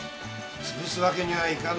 つぶすわけにはいかないわよ。